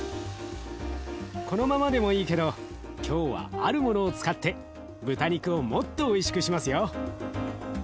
このままでもいいけど今日はあるものを使って豚肉をもっとおいしくしますよ。